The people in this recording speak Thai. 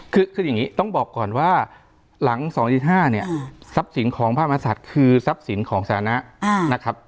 คืออย่างนี้ต้องบอกก่อนว่าหลัง๒๕เนี่ยทรัพย์สินของพระมหาศัตริย์คือทรัพย์สินของสถานะนะครับ